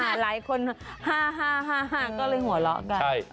หลายคนฮ่าก็เลยหัวเราะกัน